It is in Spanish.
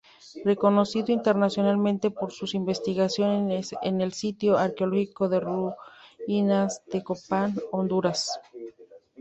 Reconocido internacionalmente por sus investigaciones en el sitio arqueológico de Ruinas de Copán, Honduras.